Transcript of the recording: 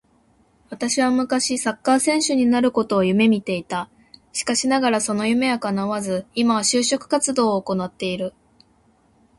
私は昔サッカー選手になることを夢見ていた。しかしながらその夢は叶わず、今は就職活動を行っている